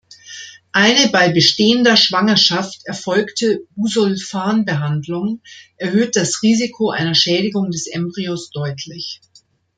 Eine bei bestehender Schwangerschaft erfolgte Busulfan-Behandlung erhöht das Risiko einer Schädigung des Embryos deutlich.